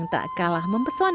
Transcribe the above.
yang terakhir adalah desa kemujan